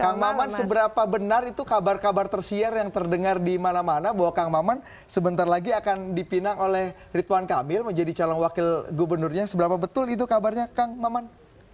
kang maman seberapa benar itu kabar kabar tersiar yang terdengar di mana mana bahwa kang maman sebentar lagi akan dipinang oleh ridwan kamil menjadi calon wakil gubernurnya seberapa betul itu kabarnya kang maman